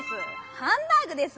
「ハンバーグ」です！